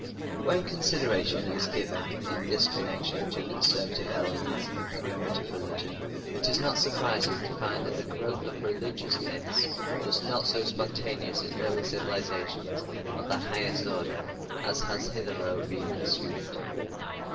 When consideration is given in this connection to the conservative element in primitive religion, it is not surprising to find that the growth of religious myths was not so spontaneous in early civilizations of the highest order as has hitherto been assumed.